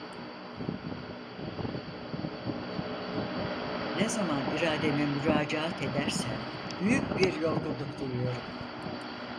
Ne zaman irademe müracaat edersem büyük bir yorgunluk duyuyorum…